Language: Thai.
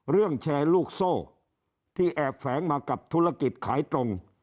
แชร์ลูกโซ่ที่แอบแฝงมากับธุรกิจขายตรง